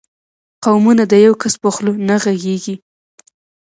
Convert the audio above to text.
قومونه د یو کس په خوله نه غږېږي.